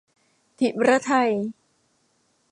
ถิรไทย